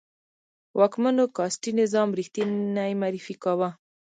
واکمنو کاسټي نظام ریښتنی معرفي کاوه.